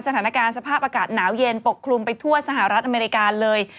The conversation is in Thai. สถานการณ์สภาพอากาศหนาวเย็นปกคลุมไปทั่วสหรัฐอเมริกาเลย